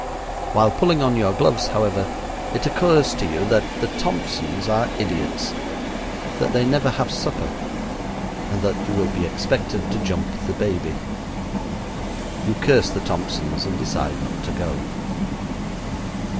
While pulling on your gloves, however, it occurs to you that the Thompsons are idiots; that they never have supper; and that you will be expected to jump the baby. You curse the Thompsons and decide not to go.